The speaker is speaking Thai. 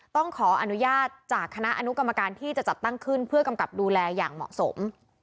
ต้องขออนุญาตจากคณะอนุกรรมการที่จะจัดตั้งขึ้นเพื่อกำกับดูแลอย่างเหมาะสม